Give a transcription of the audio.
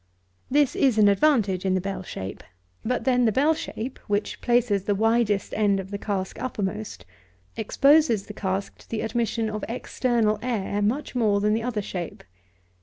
This is an advantage in the bell shape; but then the bell shape, which places the widest end of the cask uppermost, exposes the cask to the admission of external air much more than the other shape.